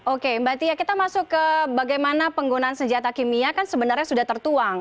oke mbak tia kita masuk ke bagaimana penggunaan senjata kimia kan sebenarnya sudah tertuang